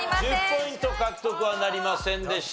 １０ポイント獲得はなりませんでした。